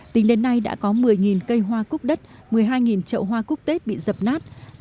tính đến nay đã có một mươi cây hoa cúc đất một mươi hai trậu hoa cúc tết bị dập nát